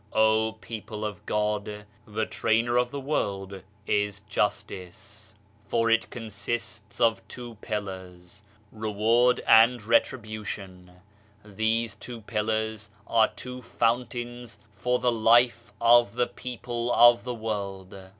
people of God, the trainer of the world is Justice, for it consists of two pillars, Reward and Retribution. These two pillars are two fountains for the life of the people of the world.